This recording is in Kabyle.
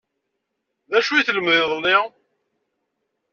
D acu i telmd iḍelli?